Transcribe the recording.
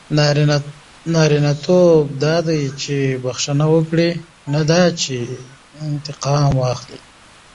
نارینه توب دا دئ، چي بخښنه وکړئ؛ نه دا چي انتقام واخلى.